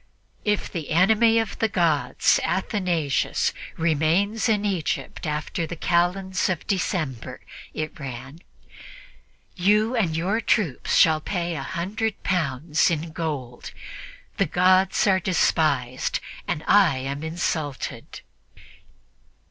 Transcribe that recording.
"If the enemy of the gods, Athanasius, remains in Egypt after the kalends of December," it ran, "you and your troops shall pay a hundred pounds in gold. The gods are despised and I am insulted."